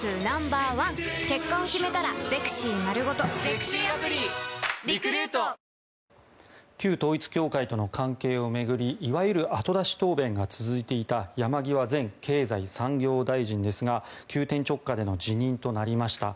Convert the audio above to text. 一方、自民党は昨日旧統一教会などを念頭に旧統一教会との関係を巡りいわゆる後出し答弁が続いていた山際前経済産業大臣ですが急転直下での辞任となりました。